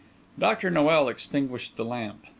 Dr. Noel extinguished the lamp.